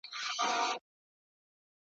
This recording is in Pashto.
زما له زګېروي سره سارنګ او رباب مه شرنګوه ,